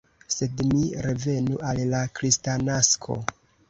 Sed mi revenu al la Kristnasko.